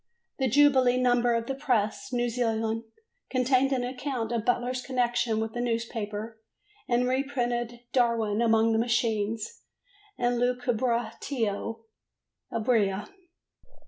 The jubilee number of the Press, New Zealand, contained an account of Butler's connection with the newspaper and reprinted "Darwin among the Machines" and "Lucubratio Ebria."